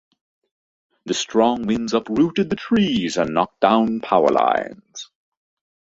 The strong winds uprooted trees and knocked down powerlines.